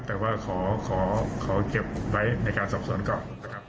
แต่ว่าขอเก็บไว้ในการสอบสวนก่อนนะครับ